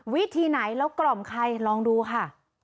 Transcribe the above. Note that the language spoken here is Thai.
วิธีไหนแล้วกล่อมใครลองดูค่ะ